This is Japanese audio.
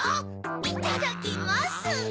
いただきます。